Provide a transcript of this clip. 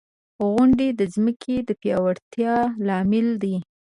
• غونډۍ د ځمکې د پیاوړتیا لامل دی.